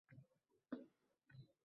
Qotib qolgan toshmidi?